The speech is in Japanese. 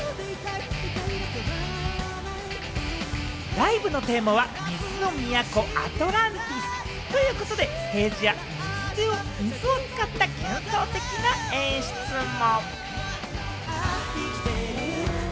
ライブのテーマは水の都アトランティスということで、ステージでは水を使った幻想的な演出も。